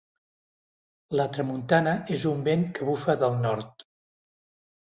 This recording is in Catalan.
La tramuntana és un vent que bufa del nord.